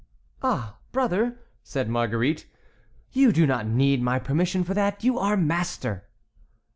"Ah, brother," said Marguerite, "you do not need my permission for that; you are master."